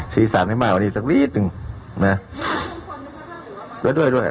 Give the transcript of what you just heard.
สีสันให้มากกว่านี้สักนิดนึงนะ